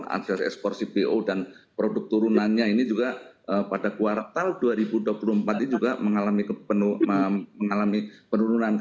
akses ekspor cpo dan produk turunannya ini juga pada kuartal dua ribu dua puluh empat ini juga mengalami penurunan